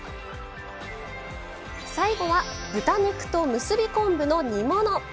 最後は豚肉と結び昆布の煮物。